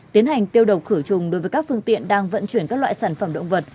tiến hành tiêu độc khử trùng đối với các phương tiện đang vận chuyển các loại sản phẩm động vật